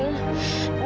saya masuk dulu ya